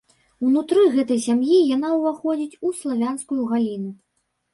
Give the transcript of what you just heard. Унутры гэтай сям'і яна ўваходзіць у славянскую галіну.